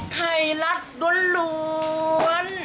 ไทยรัฐล้วน